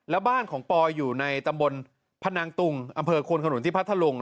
แล้วบ้านของปอยอยู่ในตำบลพนังตุงอำเภอควนขนุนที่พัทธลุง